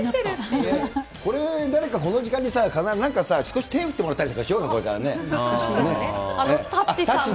これ、誰かこの時間にね、誰かさ、手を振ってもらったりなんかしようか、これね。